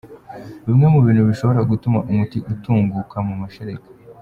Bimwe mu bintu bishobora gutuma umuti utunguka mu mashereka.